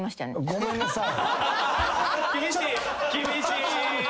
ごめんなさい。